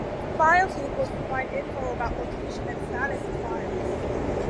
File tables provide info about location and status of files.